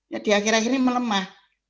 ya di akhir akhir ini melemah